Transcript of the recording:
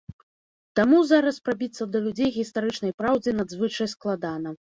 Таму зараз прабіцца да людзей гістарычнай праўдзе надзвычай складана.